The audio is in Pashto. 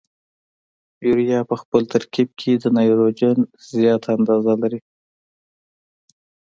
یوریا په خپل ترکیب کې د نایتروجن زیاته اندازه لري.